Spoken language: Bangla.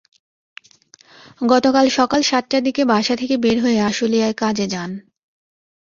গতকাল সকাল সাতটার দিকে বাসা থেকে বের হয়ে আশুলিয়ায় কাজে যান।